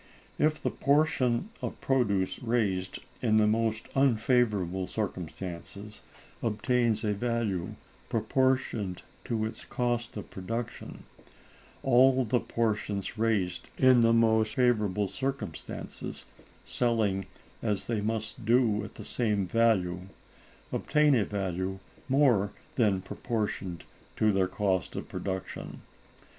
If the portion of produce raised in the most unfavorable circumstances obtains a value proportioned to its cost of production; all the portions raised in more favorable circumstances, selling as they must do at the same value, obtain a value more than proportioned to their cost of production.